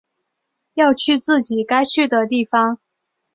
要去自己该去的地方